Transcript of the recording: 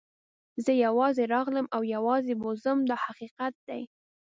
زه یوازې راغلم او یوازې به ځم دا حقیقت دی.